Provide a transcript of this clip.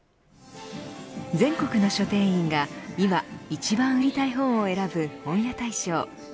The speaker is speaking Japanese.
全国の書店員が今一番売りたい本を選ぶ本屋大賞。